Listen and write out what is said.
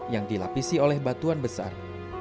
yang dilapisi oleh batuan besar